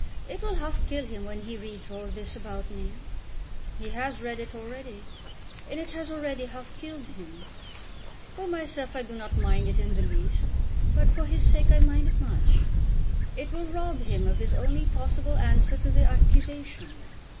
It will half kill him when he reads all this about me. He has read it already, and it has already half killed him. For myself I do not mind it in the least, but for his sake I mind it much. It will rob him of his only possible answer to the accusation.